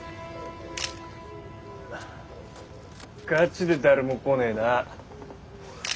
ガチで誰も来ねえな。